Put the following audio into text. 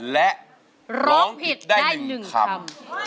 และร้องผิดได้๑คำ